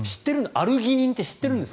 アルギニンって知ってるんですか？